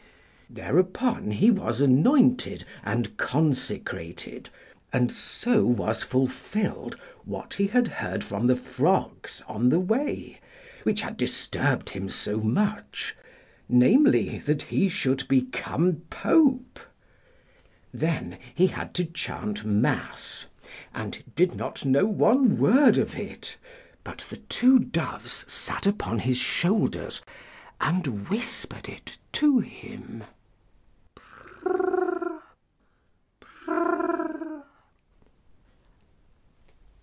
Thereupon he was anointed and consecrated, and so was fulfilled what he had heard from the Frogs on the way, which had disturbed him so much namely, that he should become Pope. Then he had to chant mass, and did not know one word of it. But the two Doves sat upon his shoulders and whispered it to him.